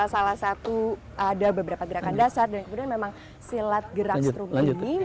salah satu ada beberapa gerakan dasar dan kemudian memang silat gerak strum ini